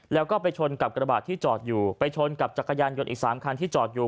แล้วก็ไปชนกับกระบาดที่จอดอยู่ไปชนกับจักรยานยนต์อีก๓คันที่จอดอยู่